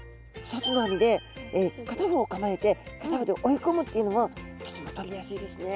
２つの網で片方構えて片方で追いこむというのもとてもとりやすいですね。